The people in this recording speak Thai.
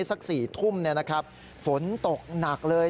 สัก๔ทุ่มเนี่ยนะครับฝนตกหนักเลย